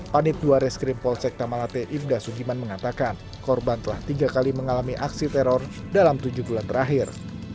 panit dua reskrim polsek tamalate ibda sugiman mengatakan korban telah tiga kali mengalami aksi teror dalam tujuh bulan terakhir